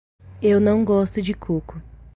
Eu não gosto de coco.